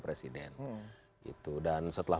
presiden dan setelah